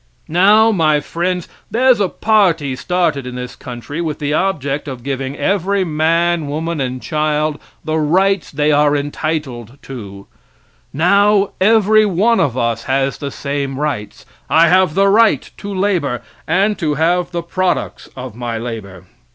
Continuing, he said: "Now, my friends, there's a party started in this country with the object of giving every man, woman and child the rights they are entitled to. Now every one of us has the same rights. I have the right to labor and to have the products of my labor.